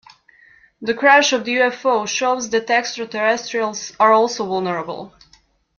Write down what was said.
The crash of the UFO shows that extraterrestrials are also vulnerable.